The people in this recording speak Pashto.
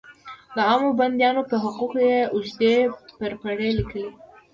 د عامو بندیانو په حقوقو یې اوږدې پرپړې لیکلې.